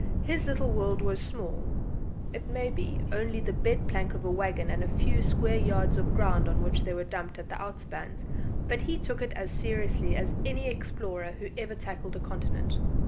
His little world was small, it may be only the bedplank of the waggon and the few square yards of the ground on which they were dumped at the outspans but he took it as seriously as any explorer who ever tackled a continent.